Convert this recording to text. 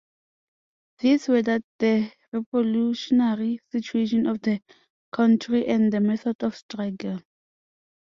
These were that the revolutionary situation of the country and the method of struggle.